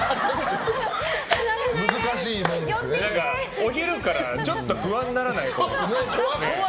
お昼からちょっと不安になる。